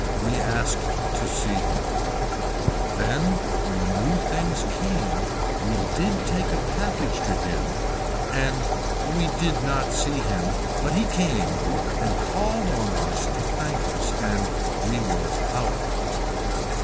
We asked to see him. Then when the new things came we did take a package to him and we did not see him but he came and called on us to thank us and we were out.